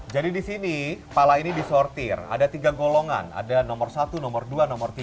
jadi di sini pala ini disortir ada tiga golongan ada nomor satu nomor dua nomor tiga